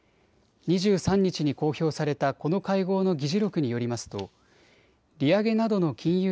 ２３日に公表されたこの会合の議事録によりますと利上げなどの金融